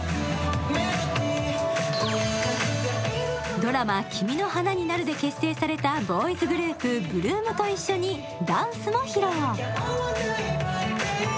ドラマ「君の花になる」で結成されたボーイズグループ、８ＬＯＯＭと一緒にダンスも披露。